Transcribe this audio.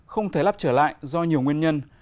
không thể lắp trở lại do nhiều nguyên nhân